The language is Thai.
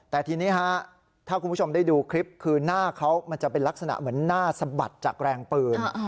แต่ทีนี้ถ้าคุณผู้ชมได้ดูคลิปคือหน้าเขามันจะเป็นลักษณะเหมือนหน้าสะบัดจากแรงปืน